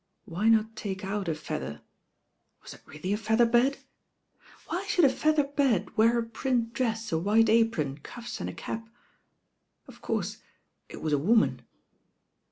Why not take out a feather? Was it really a feather bed? Why should a feather bed wear a print dress, a white apron, cuffs and a cap? Of course it was a woman.